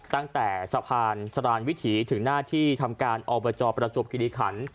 ตั้งแต่สะพานสรานวิถีถึงหน้าที่ทำการอบจประจวบคิริขัน